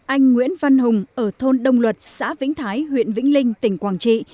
anh nguyễn văn hùng ở thôn đông luật xã vĩnh thái huyện vĩnh linh tỉnh quảng trị